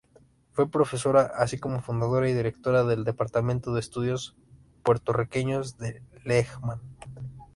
Fue profesora, así como fundadora y directora del Departamento de Estudios Puertorriqueños, de Lehman.